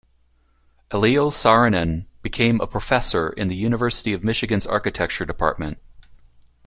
Eliel Saarinen became a professor in the University of Michigan's Architecture Department.